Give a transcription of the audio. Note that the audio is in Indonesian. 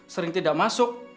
sering tidak masuk